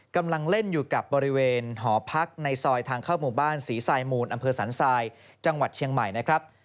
กำลังเล่นอยู่กับบริเวณหอพักในซอยทางเข้าหมู่บ้านศรีทรายมูลอำเภอสันทรายจังหวัดเชียงใหม่นะครับ